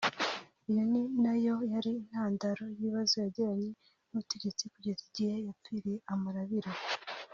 Iyo ni na yo yari intandaro y’ibibazo yagiranye n’ubutegetsi kugeza igihe yapfiriye amarabira